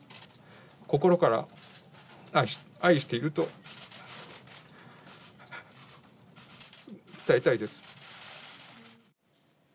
心から愛していると伝えたいです。